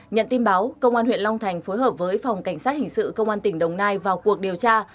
nhận tin báo công an huyện long thành phối hợp với phòng cảnh sát hình sự công an tỉnh đồng nai vào cuộc điều tra